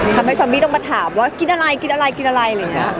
ทำให้ซ้อนบี้ถึงมาถามว่าครับกินอะไร